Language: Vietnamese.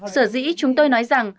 sở dĩ chúng tôi nói rằng